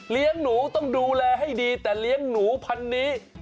เลี้ยงหนูต้องดูแลให้ดีแต่เลี้ยงหนูพันธุ์นี้